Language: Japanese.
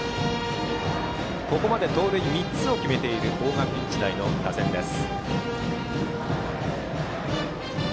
ここまで盗塁３つを決めている大垣日大の打線です。